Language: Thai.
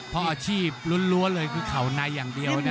เพราะอาชีพล้วนเลยคือเข่าในอย่างเดียว